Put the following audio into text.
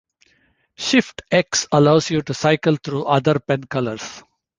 Shift x allows you to cycle through other pen colours.